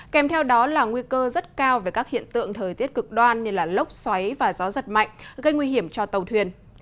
kèm theo đó là nguy cơ rất cao về các hiện tượng thời tiết cực đoan như lốc xoáy và gió giật mạnh gây nguy hiểm cho tàu thuyền